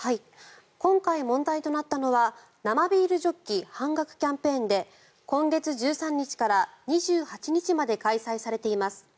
今回、問題となったのは生ビールジョッキ半額キャンペーンで今月１３日から２８日まで開催されています。